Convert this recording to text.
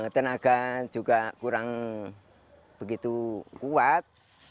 tenaga juga kurang begitu kuat